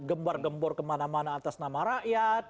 gembar gembor kemana mana atas nama rakyat